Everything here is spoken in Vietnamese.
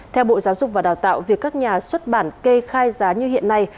theo bộ giáo dục và đào tạo việc các nhà xuất bản kê khai giá như hiện nay